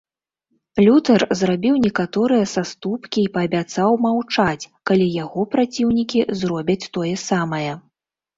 Лютэр зрабіў некаторыя саступкі й паабяцаў маўчаць, калі яго праціўнікі зробяць тое самае.